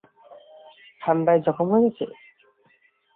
ঠান্ডায় জখম হয়ে গেছে।